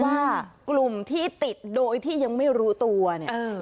ว่ากลุ่มที่ติดโดยที่ยังไม่รู้ตัวเนี่ย